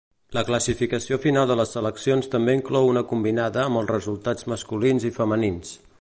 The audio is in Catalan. La classificació final de seleccions també inclou una combinada amb els resultats masculins i femenins.